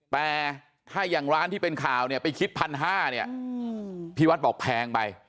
แต่ถ้าอย่างร้านที่เป็นข่าวเนี่ยไปคิด๑๕๐๐เนี่ยพี่วัดบอกแพงไป